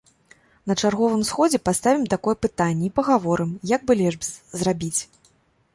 На чарговым сходзе паставім такое пытанне й пагаворым, як бы лепш зрабіць.